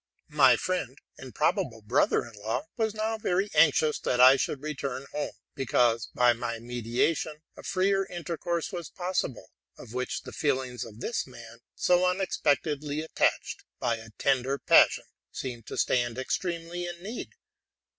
My friend and apparent brother in law was now very anxious that I should return home, because, by my mediation, a freer intercourse was possible, of which the feelings of this man, so unexpectedly attacked by a tender passion, seemed to stand extremely in need.